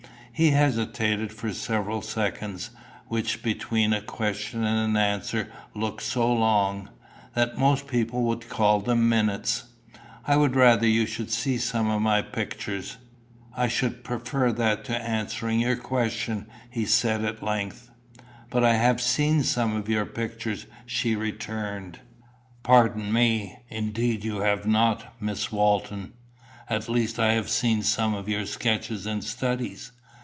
He hesitated for several seconds, which between a question and an answer look so long, that most people would call them minutes. "I would rather you should see some of my pictures I should prefer that to answering your question," he said, at length. "But I have seen some of your pictures," she returned. "Pardon me. Indeed you have not, Miss Walton." "At least I have seen some of your sketches and studies."